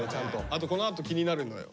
あとこのあと気になるのよ。